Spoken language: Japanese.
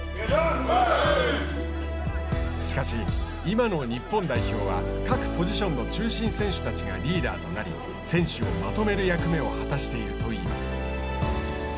しかし、今の日本代表は各ポジションの中心選手たちがリーダーとなり選手をまとめる役目を果たしているといいます。